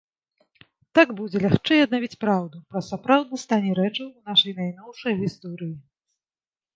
Так будзе лягчэй аднавіць праўду пра сапраўдны стане рэчаў у нашай найноўшай гісторыі.